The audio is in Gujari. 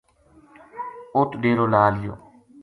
اُت ڈیرو لا لِیو